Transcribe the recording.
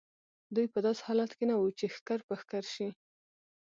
دوی په داسې حالت کې نه وو چې ښکر په ښکر شي.